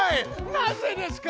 なぜですか！